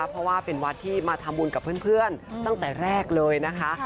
เพราะว่าเป็นวัดที่มาทำบุญกับเพื่อนตั้งแต่แรกเลยนะคะ